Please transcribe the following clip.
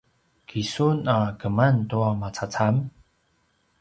ki sun a keman tua macacam?